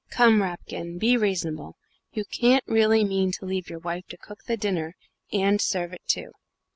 "Come, Rapkin, be reasonable. You can't really mean to leave your wife to cook the dinner, and serve it too!"